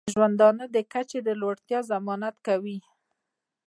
د ژوندانه د کچې د لوړتیا ضمانت کوي.